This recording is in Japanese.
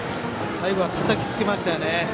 最後はたたきつけましたね。